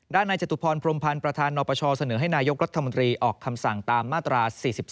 นายจตุพรพรมพันธ์ประธานนปชเสนอให้นายกรัฐมนตรีออกคำสั่งตามมาตรา๔๒